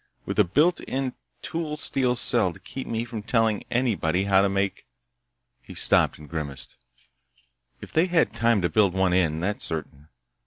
With a built in tool steel cell to keep me from telling anybody how to make—" He stopped and grimaced. "If they had time to build one in, that's certain!